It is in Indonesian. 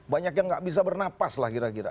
banyak yang gak bisa bernafas lah kira kira